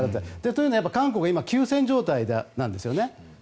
というのは韓国は今休戦状態なんですよね。